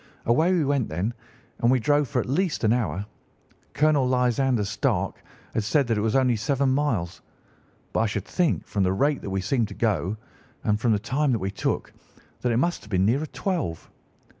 "Away we went then, and we drove for at least an hour. Colonel Lysander Stark had said that it was only seven miles, but I should think, from the rate that we seemed to go, and from the time that we took, that it must have been nearer twelve.